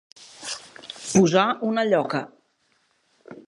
Posar una lloca.